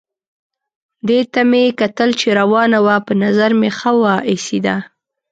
دې ته مې کتل چې روانه وه، په نظر مې ښه وه ایسېده.